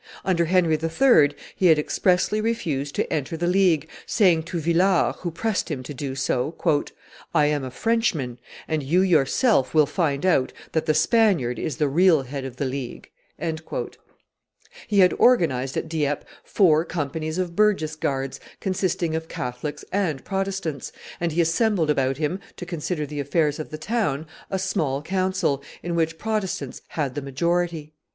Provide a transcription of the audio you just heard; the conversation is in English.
Under Henry III. he had expressly refused to enter the League, saying to Villars, who pressed him to do so, "I am a Frenchman, and you yourself will find out that the Spaniard is the real head of the League." He had organized at Dieppe four companies of burgess guards, consisting of Catholics and Protestants, and he assembled about him, to consider the affairs of the town, a small council, in which Protestants had the majority.